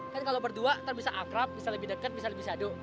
kan kalau berdua ntar bisa akrab bisa lebih deket bisa lebih saduk